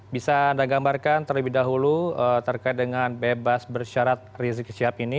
bisa anda gambarkan terlebih dahulu terkait dengan bebas bersyarat rizik syihab ini